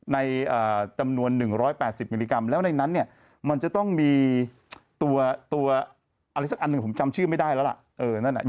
ในจำนวน๑๘๐มิลลิกรัมแล้วในนั้นเนี่ยมันจะต้องมีตัวอะไรสักอันหนึ่งผมจำชื่อไม่ได้แล้วล่ะ